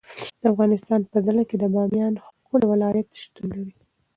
د افغانستان په زړه کې د بامیان ښکلی ولایت شتون لري.